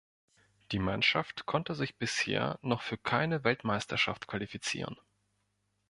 Die Mannschaft konnte sich bisher noch für keine Weltmeisterschaft qualifizieren.